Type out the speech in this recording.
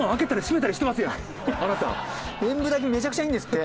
めちゃくちゃいいんですって。